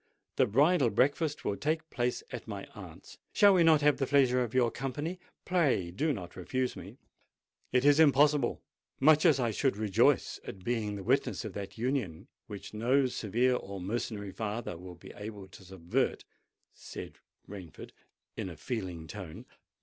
The bridal breakfast will take place at my aunt's: shall we not have the pleasure of your company? Pray, do not refuse me." "It is impossible—much as I should rejoice at being the witness of that union which no severe or mercenary father will be able to subvert," said Rainford in a feeling tone.